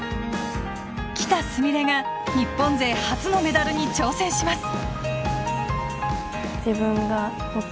喜田純鈴が日本勢初のメダルに挑戦します。